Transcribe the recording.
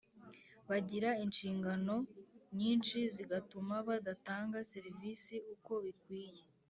Bagira inshingano nyinshi zigatuma badatanga serivisi uko bikwiye